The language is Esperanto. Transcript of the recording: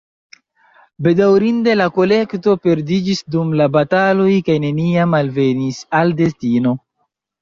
Bedaŭrinde, la kolekto perdiĝis dum la bataloj kaj neniam alvenis al destino.